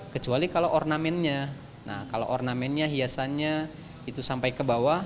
kecuali kalau ornamennya nah kalau ornamennya hiasannya itu sampai ke bawah